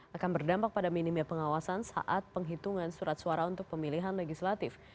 akan berdampak pada minimnya pengawasan saat penghitungan surat suara untuk pemilihan legislatif